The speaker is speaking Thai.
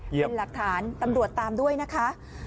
เป็นหลักฐานตำรวจตามด้วยนะคะ